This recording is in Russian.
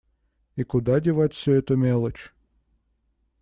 И куда девать всю эту мелочь?